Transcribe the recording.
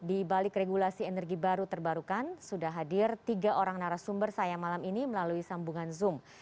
di balik regulasi energi baru terbarukan sudah hadir tiga orang narasumber saya malam ini melalui sambungan zoom